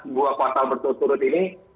dua kuartal berturut turut ini